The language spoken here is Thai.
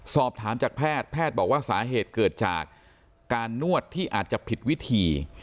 สอบถามจากแพทย์แพทย์บอกว่าสาเหตุเกิดจากการนวดที่อาจจะผิดวิธี